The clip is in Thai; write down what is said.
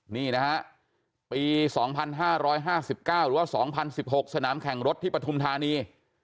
นี่นะฮะปี๒๕๕๙หรือว่า๒๐๑๖สนามแข่งรถที่ปฐุมธานี